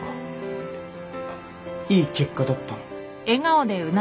あっいい結果だったの？